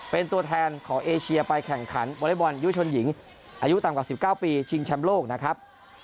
เป็นตัวแทนของเอเชียไปแข่งขันวอเล็กบอลยุชนหญิงอายุต่ำกว่า๑๙ปีชิงแชมป์โลกนะครับ